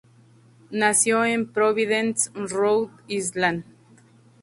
Nació en Providence, Rhode Island.